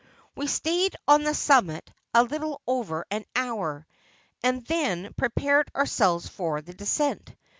' We stayed on the summit a little over an hour, and then prepared ourselves for the descent.